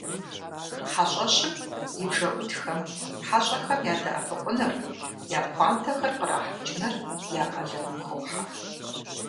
Хьэщӏэщым и бжэӏутхэм хьэщӏэхэм ядэӏэпыкъуныр, я пхъуантэхэр кърахьэкӏыныр я къалэным хохьэ.